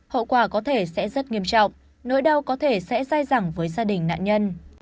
hậu quả có thể sẽ rất nghiêm trọng nỗi đau có thể sẽ dai dẳng với gia đình nạn nhân